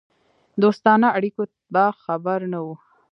دوستانه اړیکو به خبر نه وو.